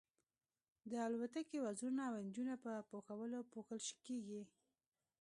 د الوتکې وزرونه او انجنونه په پوښونو پوښل کیږي